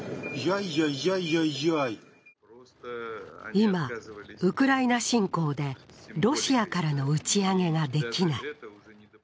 今、ウクライナ侵攻でロシアからの打ち上げができない。